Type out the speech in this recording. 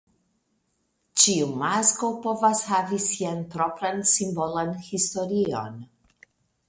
Ĉiu masko povas havi sian propran simbolan historion.